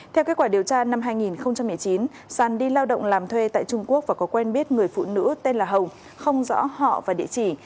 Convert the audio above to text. theo kết quả điều tra năm hai nghìn một mươi chín sàn đi lao động làm thuê tại trung quốc và có quen biết người phụ nữ tên là hồng không rõ họ và địa chỉ